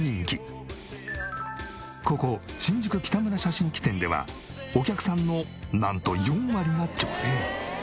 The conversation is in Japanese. ここ新宿北村写真機店ではお客さんのなんと４割が女性。